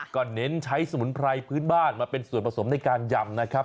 ก็เน้นใช้สมุนไพรพื้นบ้านมาเป็นส่วนผสมในการยำนะครับ